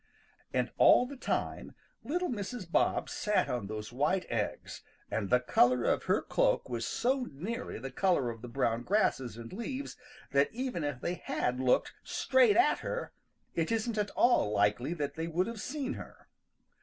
And all the time little Mrs. Bob sat on those white eggs and the color of her cloak was so nearly the color of the brown grasses and leaves that even if they had looked straight at her it isn't at all likely that they would have seen her.